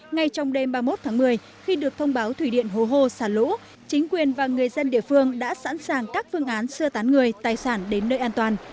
ngay trong đêm ba mươi một tháng một mươi khi được thông báo thủy điện hồ hô xả lũ chính quyền và người dân địa phương đã sẵn sàng các phương án sơ tán người tài sản đến nơi an toàn